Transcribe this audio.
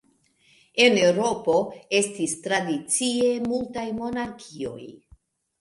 En Eŭropo estis tradicie multaj monarkioj.